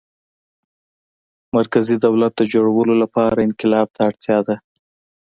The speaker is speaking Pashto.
مرکزي دولت د جوړولو لپاره انقلاب ته اړتیا ده.